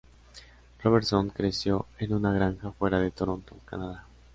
Robertson creció en una granja fuera de Toronto, Canadá.